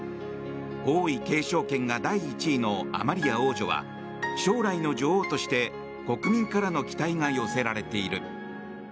王位継承権が第１位のアマリア王女は将来の女王として国民からの期待が寄せられている。